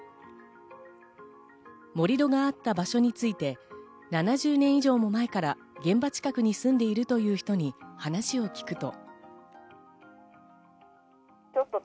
盛り土があった場所について７０年以上も前から現場近くに住んでいるという人に話を聞くと。